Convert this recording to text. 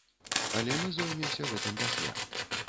Але мы зоймемся гэтым пасля.